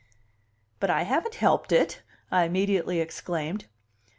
"But I haven't helped it!" I immediately exclaimed.